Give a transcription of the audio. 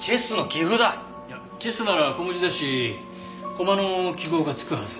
いやチェスなら小文字ですし駒の記号がつくはず。